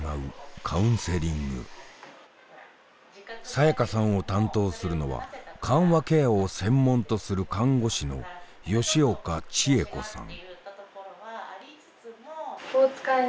さやかさんを担当するのは緩和ケアを専門とする看護師の吉岡千惠子さん。